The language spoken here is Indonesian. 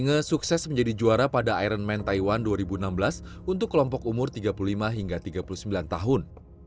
enge sukses menjadi juara pada iron man taiwan dua ribu enam belas untuk kelompok umur tiga puluh lima hingga tiga puluh sembilan tahun